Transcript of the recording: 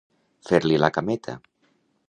Fer-li la cameta.